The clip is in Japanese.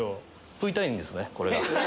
食いたいんですねこれが。